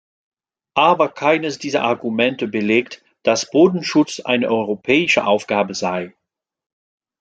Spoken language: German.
Aber keines dieser Argumente belegt, dass Bodenschutz eine europäische Aufgabe sei.